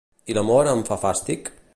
I L'amor em fa fàstic?